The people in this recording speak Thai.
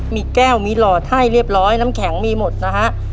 มีแก้วมีหลอดให้เรียบร้อยน้ำแข็งมีหมดนะฮะ